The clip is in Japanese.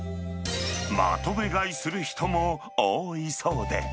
まとめ買いする人も多いそうで。